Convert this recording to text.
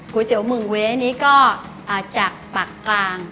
ก๋วยเตี๋ยวหมึ่งเว้นี่ก็จากปากกลาง